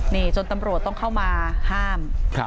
นี่จนตำรวจต้องเข้ามาห้าม